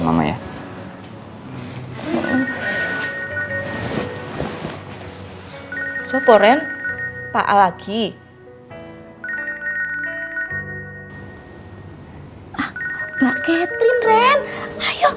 mama tuh jadi senam jantung mikirin kamu